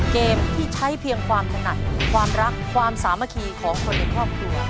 เกมที่ใช้เพียงความถนัดความรักความสามัคคีของคนในครอบครัว